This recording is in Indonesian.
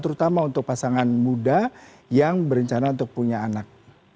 terutama untuk pasangan muda yang berencana untuk punya anak